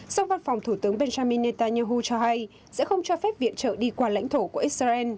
song văn phòng thủ tướng benjamin netanyahu cho hay sẽ không cho phép viện trợ đi qua lãnh thổ của israel